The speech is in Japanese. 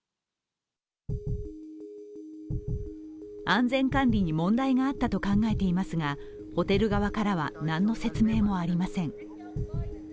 安全管理に問題があったと考えていますがホテル側からは、何の説明もありません。